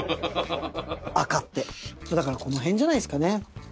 赤ってだからこの辺じゃないっすかね